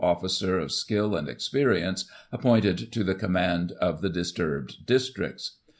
• [1843 officer, of skill and experience, appointed to the command of the disturbed districts.